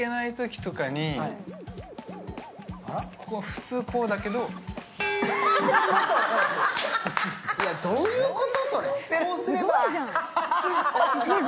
普通こうだけどどういうこと、それ！？